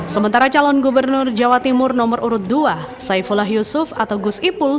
sementara calon gubernur jawa timur nomor urut dua saifullah yusuf atau gus ipul